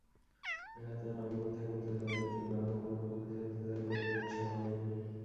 একাত্তরের নভেম্বর থেকে মুক্তিযোদ্ধাদের তীব্র আক্রমণের মুখে পিছু হটতে থাকে পাকিস্তানি সেনাবাহিনী।